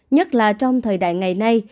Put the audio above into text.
nhất là trong thời đại ngày nay